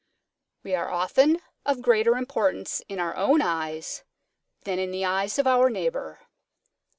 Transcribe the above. _We are often of greater importance in our own eyes than in the eyes of our neighbor.